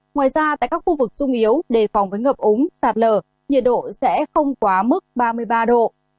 ngoài ra tại các khu vực sung yếu đề phòng với ngập ống sạt lở nhiệt độ sẽ không quá mức ba mươi ba độ